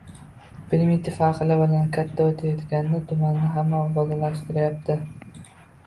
Primitiv aqli bilan katta o‘tayotganda tumanni hamma obodonlashtirayapti